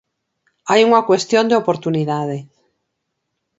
Hai unha cuestión de oportunidade.